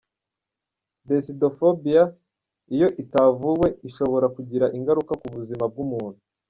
Decidophobia iyo itavuwe ishobora kugira ingaruka ku buzima bw’umuntu.